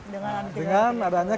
dengan kegiatan kegiatan mereka sendiri